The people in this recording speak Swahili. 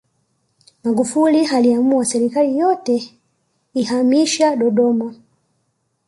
magufuli aliamua serikali yote ihamisha dodoma